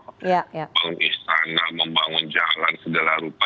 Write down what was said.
membangun istana membangun jalan segala rupa